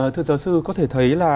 thưa giáo sư có thể thấy là